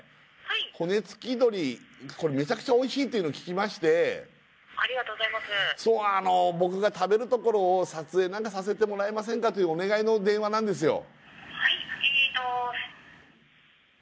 骨付鳥これめちゃくちゃおいしいというのを聞きましてそうあの僕が食べるところを撮影なんかさせてもらえませんかというお願いの電話なんですよ